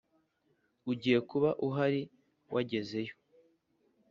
ugiye kuba ahari, wagezeyo